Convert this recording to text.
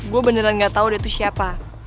gue beneran gak tau dia itu siapa